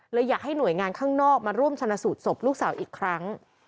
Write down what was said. อยากให้หน่วยงานข้างนอกมาร่วมชนะสูตรศพลูกสาวอีกครั้ง